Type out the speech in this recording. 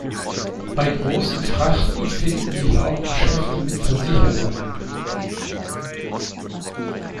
Bei großen Frachten finden sich auch Geschäfte mit Versicherungen.